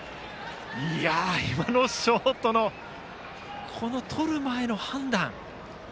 今のショートのとる前の判断。